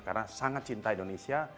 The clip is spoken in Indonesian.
karena sangat cinta indonesia